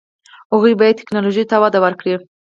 هغوی باید ټیکنالوژي ته وده ورکړي.